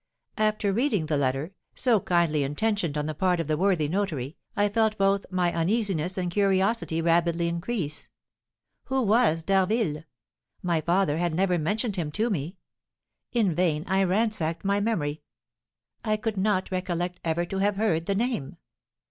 After reading the letter, so kindly intentioned on the part of the worthy notary, I felt both my uneasiness and curiosity rapidly increase. Who was D'Harville? My father had never mentioned him to me. In vain I ransacked my memory; I could not recollect ever to have heard the name.